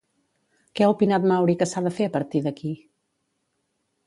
Què ha opinat Mauri que s'ha de fer a partir d'aquí?